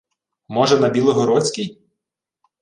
— Може, на білогородській?